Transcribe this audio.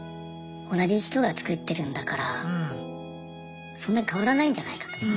同じ人が作ってるんだからそんな変わらないんじゃないかと。